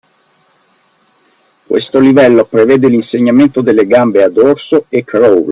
Questo livello prevede l’insegnamento delle gambe a dorso e crawl